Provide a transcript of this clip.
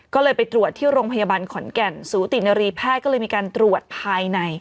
ก็เลยไปตรวจที่โรงพยาบาลขอนแก่นสูตินรีแพทย์ก็เลยมีการตรวจภายใน